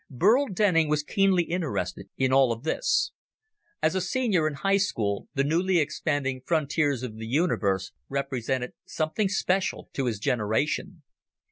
Burl Denning was keenly interested in all of this. As a senior in high school, the newly expanding frontiers of the universe represented something special to his generation.